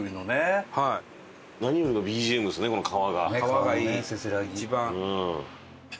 川がいい一番。